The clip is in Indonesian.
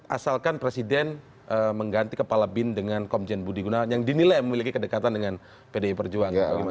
asalkan presiden mengganti kepala bin dengan komjen budi gunawan yang dinilai memiliki kedekatan dengan pdi perjuangan